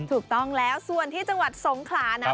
ถูกต้องแล้วส่วนที่จังหวัดสงขลานะ